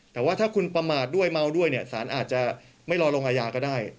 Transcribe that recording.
แต่ว่าถ้าคุณประมาทด้วยเมาด้วยเนี่ยสารอาจจะไม่รอลงอาญาก็ได้